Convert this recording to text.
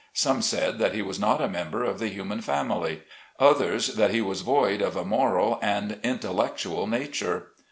Some said that he was not a member of the human fam ily; others, that he was void of a moral and intel lectual nature.